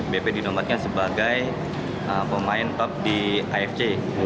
bp dinobatkan sebagai pemain top di afc